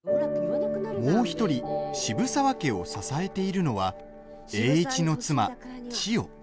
もう１人渋沢家を支えているのは栄一の妻・千代。